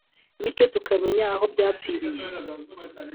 bityo tukamenya aho byapfiriye